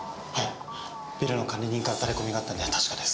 ビルの管理人からタレコミがあったんで確かです。